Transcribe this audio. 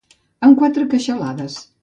Amb quatre queixalades.